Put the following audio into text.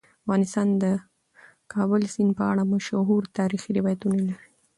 افغانستان د د کابل سیند په اړه مشهور تاریخی روایتونه لري.